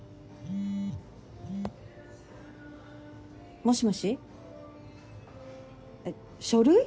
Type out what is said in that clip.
もしもし書類？